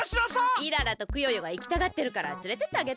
イララとクヨヨがいきたがってるからつれてってあげて！